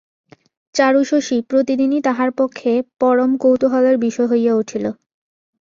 চারুশশী প্রতিদিনই তাহার পক্ষে পরম কৌতুহলের বিষয় হইয়া উঠিল।